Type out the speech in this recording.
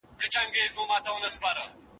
هغه وایي چې ورزش د بدن زکات دی.